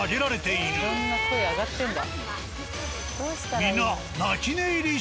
いろんな声あがってんだ。